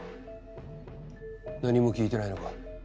何も聞いてないのか？